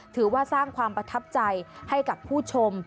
ถือว่าสร้างความประทับใจให้กับผู้ชม